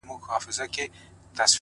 د رمز خبره يې د سونډو په موسکا کي نسته-